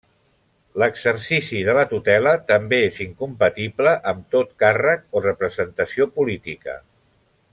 L'exercici de la tutela també és incompatible amb tot càrrec o representació política.